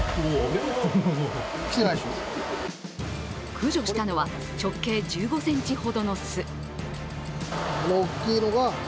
駆除したのは直径１５ｃｍほどの巣。